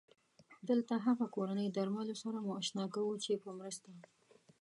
دلته هغه کورني درملو سره مو اشنا کوو چې په مرسته